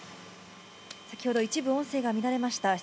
先ほど一部、音声が乱れました。